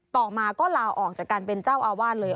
ต่อมาก็ลาออกจากการเป็นเจ้าอาวาสเลย